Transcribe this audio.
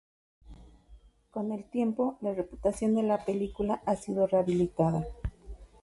Con el tiempo, la reputación de la película ha sido rehabilitada.